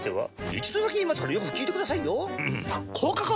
一度だけ言いますからよく聞いてくださいよ。